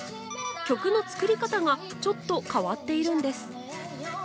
曲の作り方がちょっと変わっているんです。